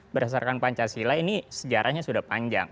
berdasarkan pancasila ini sejarahnya sudah panjang